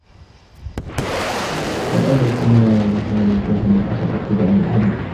فَالْأَوْلَى اجْتِنَابُهُ وَالْوُقُوفُ مَعَ الْأَوْسَطِ اقْتِدَاءً بِالْحَدِيثِ